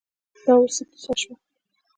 دا اوس څه کیسه شوه.